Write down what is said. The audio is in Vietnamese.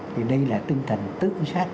thì đây là tinh thần tự giác